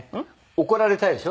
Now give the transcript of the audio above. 怒られたいでしょ？